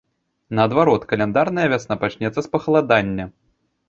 Наадварот, каляндарная вясна пачнецца з пахаладання.